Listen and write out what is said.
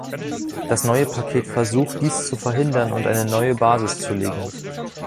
Das neue Paket versucht, dies zu verhindern und eine neue Basis zu legen.